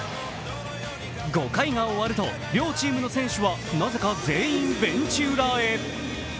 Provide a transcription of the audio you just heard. ５回が終わると両チームの選手はなぜか全員ベンチ裏へ。